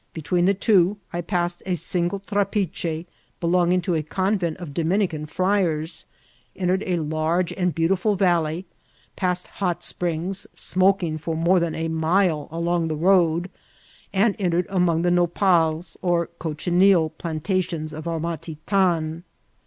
Be tween the two I passed a single trapiche belonging to a convent of Dominican firiars, entered a large and beautiful valley, passed hot springs, smoking for more than a mile along the road, and entered among the no pals or cochineal plantations of Amatitan.